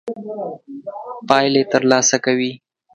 پايلې تر لاسه کوي.